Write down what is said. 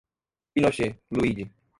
Pinochet, Luide